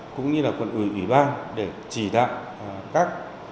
cũng như là quận ủy băng để chỉ đạo các